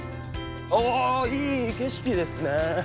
おいい景色ですね。